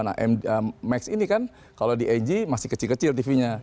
nah max ini kan kalau di ag masih kecil kecil tv nya